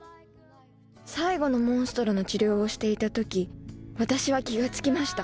最後のモンストロの治療をしていた時私は気が付きました